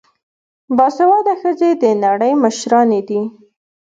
باسواده ښځې د نړۍ مشرانې دي.